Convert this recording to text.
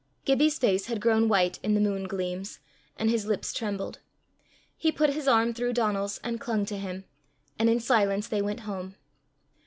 Gibbie's face had grown white in the moon gleams, and his lips trembled. He put his arm through Donal's and clung to him, and in silence they went home.